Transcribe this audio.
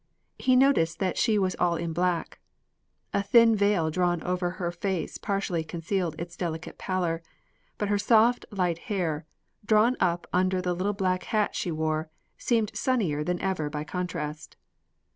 He noticed that she was all in black. A thin veil drawn over her face partially concealed its delicate pallor; but her soft, light hair, drawn up under the little black hat she wore, seemed sunnier than ever by contrast.